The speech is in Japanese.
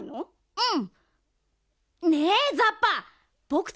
うん。